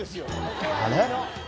あれ？